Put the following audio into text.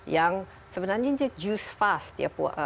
yang sebenarnya juice fast